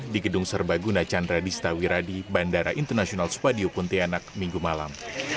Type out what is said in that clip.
di gedung serbaguna chandra dista wiradi bandara internasional spadio pontianak minggu malam